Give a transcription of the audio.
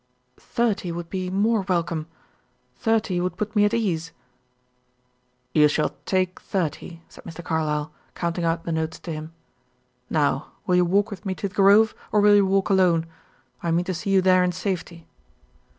"Thirty would be more welcome. Thirty would put me at ease." "You shall take thirty," said Mr. Carlyle, counting out the notes to him. "Now will you walk with me to the grove, or will you walk alone? I mean to see you there in safety."